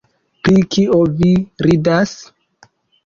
Pri kio vi ridas?